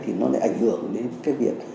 thì nó lại ảnh hưởng đến cái việc